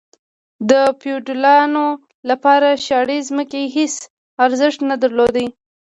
د فیوډالانو لپاره شاړې ځمکې هیڅ ارزښت نه درلود.